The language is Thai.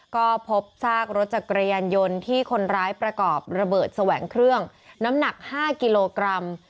ก็พบซากรถจักรยานยนต์ที่คนร้ายประกอบระเบิดแสวงเครื่องน้ำหนัก๕กิโลกรัม